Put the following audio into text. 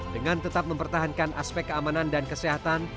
dengan tetap mempertahankan aspek keamanan dan kesehatan